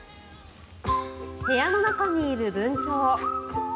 部屋の中にいるブンチョウ。